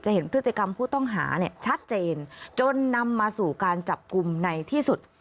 เห็นพฤติกรรมผู้ต้องหาเนี่ยชัดเจนจนนำมาสู่การจับกลุ่มในที่สุด